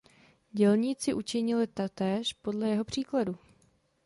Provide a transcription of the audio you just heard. Dělníci učinili totéž podle jeho příkladu.